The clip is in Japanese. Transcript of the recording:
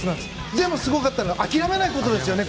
でも、すごかったのは諦めなかったことですね。